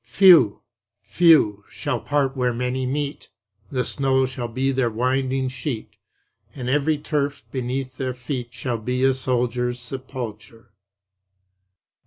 Few, few, shall part where many meet! The snow shall be their winding sheet, And every turf beneath their feet Shall be a soldier's sepulchre.